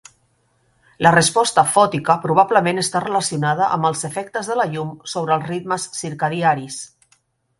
La resposta fòtica probablement està relacionada amb els efectes de la llum sobre els ritmes circadiaris.